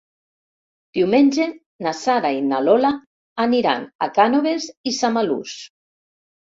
Diumenge na Sara i na Lola aniran a Cànoves i Samalús.